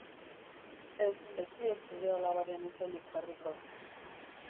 Ez, ez diot zure alabaren izenik jarriko.